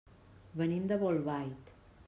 Venim de Bolbait.